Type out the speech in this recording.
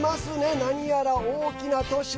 何やら大きな年。